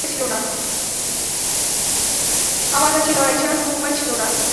আমার কাছে লড়াই ছাড়া কোনো উপায় ছিলো না।